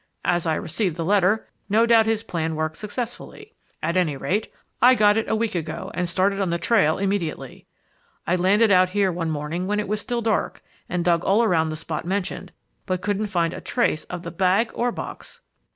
As I received the letter, no doubt his plan worked successfully. At any rate, I got it a week ago and started on the trail immediately. "I landed out here one morning while it was still dark, and dug all around the spot mentioned, but couldn't find a trace of the bag or box."